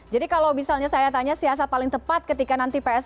jadi kalau misalnya saya tanya siasat paling tepat ketika nanti dikasih